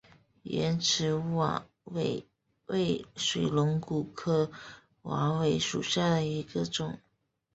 圆齿瓦韦为水龙骨科瓦韦属下的一个种。